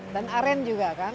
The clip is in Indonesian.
dan aren juga kan